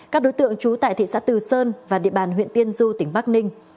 các đối tượng trú tại thị xã từ sơn và địa bàn huyện tiên du tỉnh bắc ninh